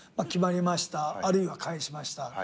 決まりましたあるいは返しました。